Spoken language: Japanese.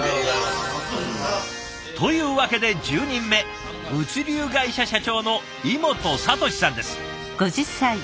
というわけで１０人目物流会社社長の井本哲さんです。